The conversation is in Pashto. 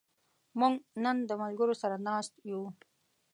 موږ نن د ملګرو سره ناست یو.